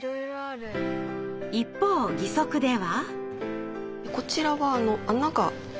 一方義足では。